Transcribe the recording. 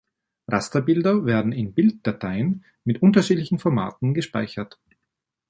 Rasterbilder werden in Bilddateien mit unterschiedlichen Formaten gespeichert.